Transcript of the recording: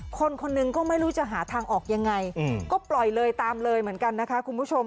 คนคนหนึ่งก็ไม่รู้จะหาทางออกยังไงก็ปล่อยเลยตามเลยเหมือนกันนะคะคุณผู้ชม